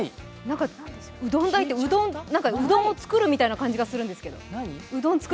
うどん台って、うどんを作る台みたいな感じがするんですけど。